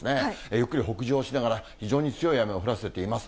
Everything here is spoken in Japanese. ゆっくり北上しながら非常に強い雨を降らせています。